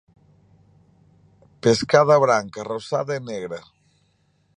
Pescada branca, rosada e negra.